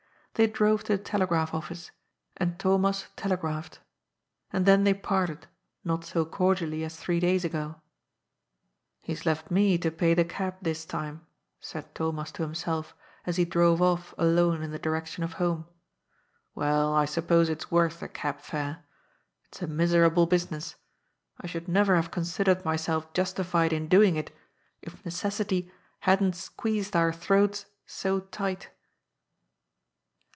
They drove to the telegraph ofBice, and Thomas telegraphed. And then they parted, not so cordially as three days ago. He's left me to pay the cab this time," said Thomas to himself, as he drove off alone in the direction of home. " Well, I suppose it's worth a cab fare. It's a miserable business. I should never have considered myself justified in doing it, if neces sity hadn't squeezed our throats so tight."